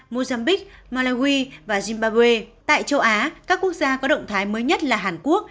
mozambique malawi và zimbawe tại châu á các quốc gia có động thái mới nhất là hàn quốc